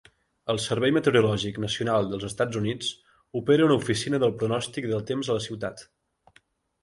El Servei Meteorològic Nacional dels Estats Units opera una oficina del pronòstic del temps a la ciutat.